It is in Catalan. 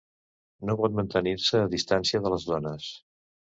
No pot mantenir-se a distància de les dones.